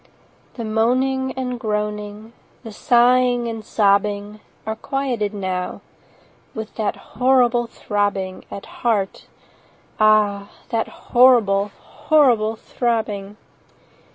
The moaning and groaning, The sighing and sobbing, 20 Are quieted now, With that horrible throbbing At heart—ah, that horrible, Horrible throbbing!